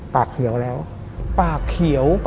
ปากเขียวแล้ว